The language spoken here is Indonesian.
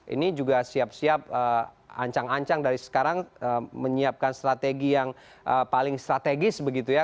ini juga siap siap ancang ancang dari sekarang menyiapkan strategi yang paling strategis begitu ya